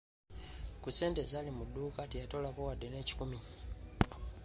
Ku ssente ezaali mu dduuka teyatoolako wadde n'ekikumi.